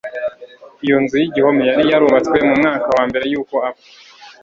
Iyo nzu y'igihome yari yarubatswe mu mwaka wambere yuko apfa